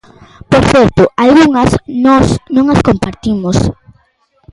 Por certo, algunhas nós non as compartimos.